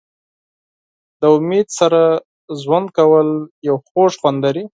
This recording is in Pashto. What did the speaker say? د امید سره ژوند کول یو خوږ خوند لري.